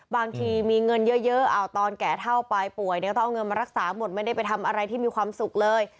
บางทีมีเงินเยอะตอนแก่เท่าไปป่วยเนี่ยต้องเอาเงินมารักษาหมดไม่ได้ไปทำอะไรที่มีความสุขเลย